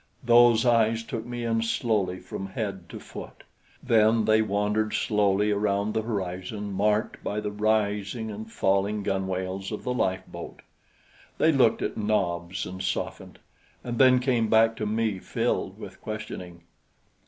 Those eyes took me in slowly from head to foot; then they wandered slowly around the horizon marked by the rising and falling gunwales of the lifeboat. They looked at Nobs and softened, and then came back to me filled with questioning.